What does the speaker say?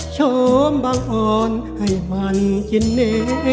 ชมบังอ่อนให้มันกินเน